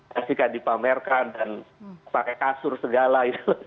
masih dipamerkan dan pakai kasur segala